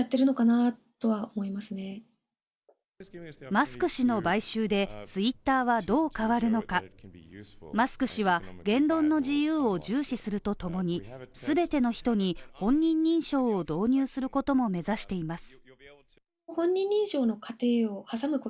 マスク氏の買収で、ツイッターはどう変わるのかマスク氏は言論の自由を重視するとともに全ての人に本人認証を導入することも目指しています。